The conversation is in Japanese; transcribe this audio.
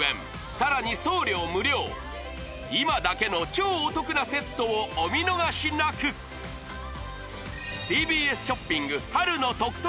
さらに送料無料今だけの超お得なセットをお見逃しなくＴＢＳショッピング春の得々！